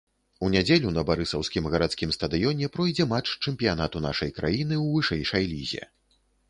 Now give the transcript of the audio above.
У нядзелю на барысаўскім гарадскім стадыёне пройдзе матч чэмпіянату нашай краіны ў вышэйшай лізе.